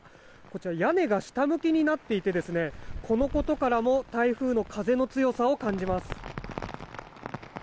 こちら屋根が下向きになっていてこのことからも台風の風の強さを感じます。